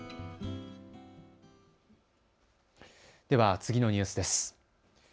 では次のニュースです。